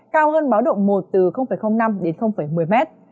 cao hơn báo động một từ năm đến một mươi m